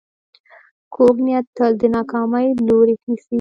کوږ نیت تل د ناکامۍ لوری نیسي